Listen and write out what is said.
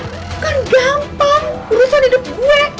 bukan gampang urusan hidup gue